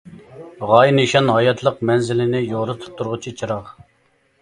غايە-نىشان ھاياتلىق مەنزىلىنى يورۇتۇپ تۇرغۇچى چىراغ.